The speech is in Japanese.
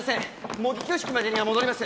模擬挙式までには戻ります！